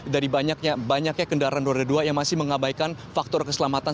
dari banyaknya kendaraan roda dua yang masih mengabaikan faktor keselamatan